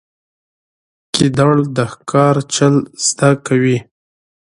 ګیدړ د ښکار چل زده کوي.